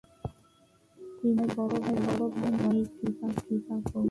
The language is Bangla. তিনি আমায় বড় ভালবাসেন ও কৃপা করেন।